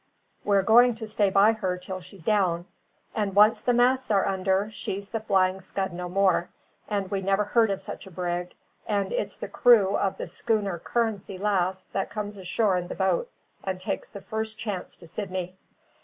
We're going to stay by her till she's down; and once the masts are under, she's the Flying Scud no more, and we never heard of such a brig; and it's the crew of the schooner Currency Lass that comes ashore in the boat, and takes the first chance to Sydney."